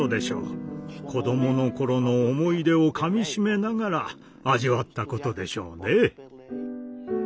子供のころの思い出をかみしめながら味わったことでしょうね。